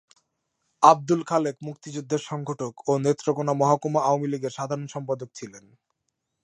আব্দুল খালেক মুক্তিযুদ্ধের সংগঠক ও নেত্রকোণা মহকুমা আওয়ামী লীগের সাধারণ সম্পাদক ছিলেন।